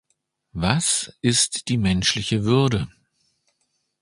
Was ist die menschliche Würde?